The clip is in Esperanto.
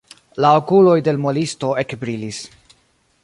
La okuloj de l' muelisto ekbrilis.